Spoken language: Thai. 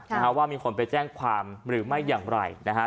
นะฮะว่ามีคนไปแจ้งความหรือไม่อย่างไรนะฮะ